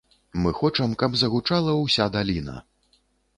Мы хочам, каб загучала ўся даліна!